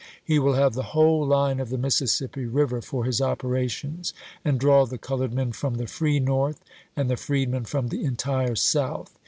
He will have the whole line of the Mississippi River for his operations, and draw the colored men from the free North and the freedmen from the entire South.